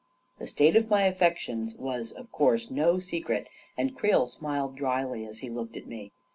The state °f m Y affections was, of course, no secret, and Creel smiled dryly as he looked at me.